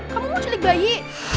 kamu mau celik bayi